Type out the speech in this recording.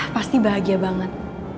pasti bahagia banget